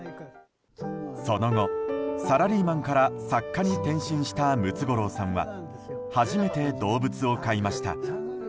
その後、サラリーマンから作家に転身したムツゴロウさんは初めて動物を飼いました。